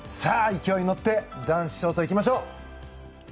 勢いに乗って男子ショートいきましょう。